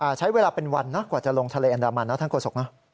ใช้เวลาเป็นวันนะกว่าจะลงทะเลอันดามันนะท่านโฆษกเนอะ